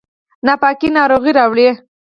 ناپاکي ناروغي راوړي